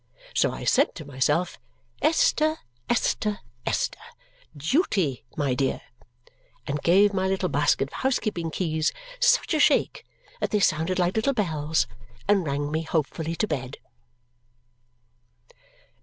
So I said to myself, "Esther, Esther, Esther! Duty, my dear!" and gave my little basket of housekeeping keys such a shake that they sounded like little bells and rang me hopefully to bed.